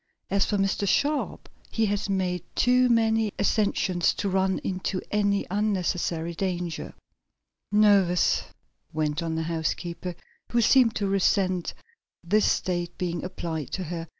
As for Mr. Sharp he has made too many ascensions to run into any unnecessary danger." "Nervous!" went on the housekeeper, who seemed to resent this state being applied to her.